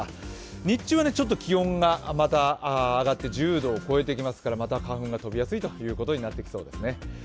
日中は気温が上がって１０度を超えてきますからまた花粉が飛びやすいということになってきそうですね。